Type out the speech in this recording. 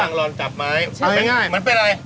แจงรอนจับไม้มันเป็นอะไรเอาให้ง่าย